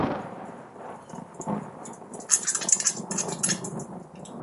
Fue financiado por el sello discográfico Factory Records y por la banda New Order.